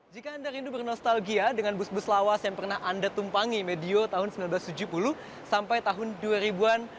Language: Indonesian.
jika anda rindu bernostalgia dengan bus bus lawas yang pernah anda tumpangi medio tahun seribu sembilan ratus tujuh puluh sampai tahun dua ribu an